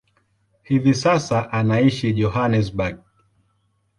Hivi sasa anaishi Johannesburg.